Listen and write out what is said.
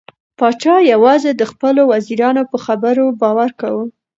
پاچا یوازې د خپلو وزیرانو په خبرو باور کاوه.